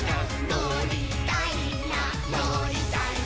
「のりたいなのりたいな」